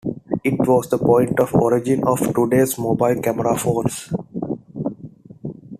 It was the point of origin of today's mobile camera phones.